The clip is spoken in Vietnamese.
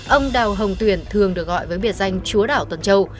ông đào hồng tuyển thường được gọi với biệt danh chúa đảo tuần châu